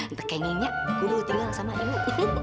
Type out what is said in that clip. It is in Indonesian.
ntar kengennya dulu tinggal sama ibu